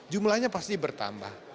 jumlahnya pasti bertambah